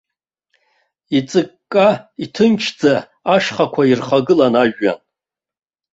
Иҵыкка, иҭынчӡа ашьхақәа ирхагылан ажәҩан.